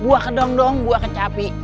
buah ke dong dong buah kecapi